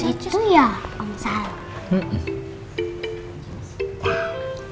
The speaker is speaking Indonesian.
itu ya om sal